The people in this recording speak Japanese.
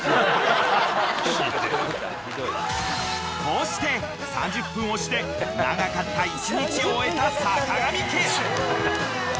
［こうして３０分押しで長かった１日を終えたさかがみ家］